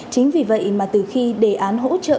chính vì vậy mà từ khi đề án hỗ trợ